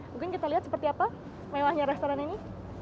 mungkin kita lihat seperti apa mewahnya restoran ini